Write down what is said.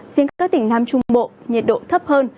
riêng các tỉnh nam trung bộ nhiệt độ thấp hơn